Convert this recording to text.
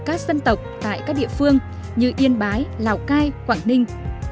các dân tộc tại các địa phương như yên bái lào cai quảng ninh